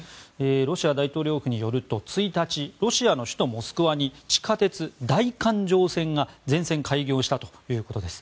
ロシア大統領府によると１日ロシアの首都モスクワに地下鉄、大環状線が全線開業したということです。